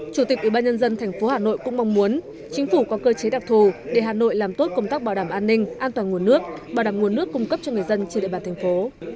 chủ tịch ủy ban nhân dân thành phố hà nội cũng mong muốn chính phủ có cơ chế đặc thù để hà nội làm tốt công tác bảo đảm an ninh an toàn nguồn nước bảo đảm nguồn nước cung cấp cho người dân trên địa bàn thành phố